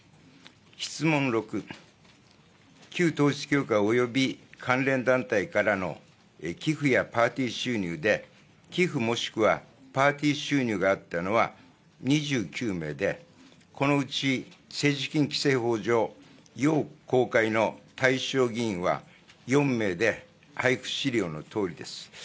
質問６、旧統一教会および関連団体からの寄付やパーティー収入で、寄付もしくはパーティー収入があったのは２９名で、このうち、政治資金規正法上、要公開の対象議員は、４名で、配布資料のとおりです。